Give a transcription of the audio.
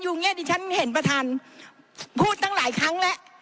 อย่างนี้ดิฉันเห็นประธานพูดตั้งหลายครั้งแล้ว